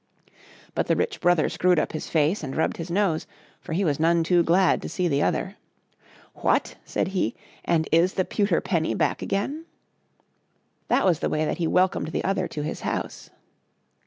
But the rich brother screwed up his face and rubbed his nose, for he was none too glad to see the other. " What ! said he, " and is the Pewter Penny back again ? That was the way that he welcomed the other to his house.